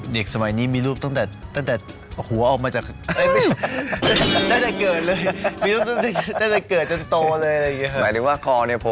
เด็กสมัยนี้มีรูปตั้งแต่หัวออกมาจาก